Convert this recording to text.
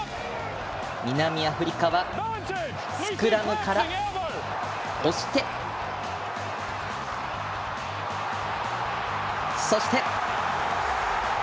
南アフリカはスクラムから押して、そして。